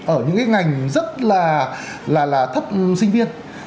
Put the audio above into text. ở những cái ngành rất là thấp sinh viên